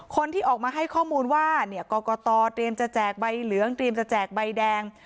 คนที่ออกมาให้ข้อมูลว่ากรกตเตรียมจะแจกใบเหลืองเตรียมจะแจกใบแดง